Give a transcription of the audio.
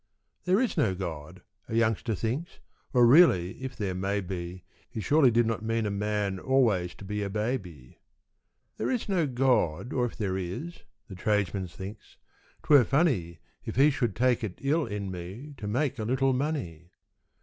"There is no God," a youngster thinks, "or really, if there may be, He surely did not mean a man Always to be a baby." "There is no God, or if there is," The tradesman thinks, "'twere funny If He should take it ill in me To make a little money."